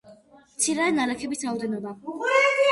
მცირეა ნალექების რაოდენობა.